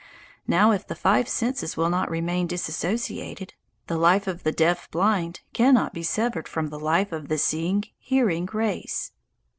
Now, if the five senses will not remain disassociated, the life of the deaf blind cannot be severed from the life of the seeing, hearing race.